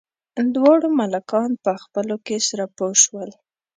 دواړه ملکان په خپلو کې سره پوه شول.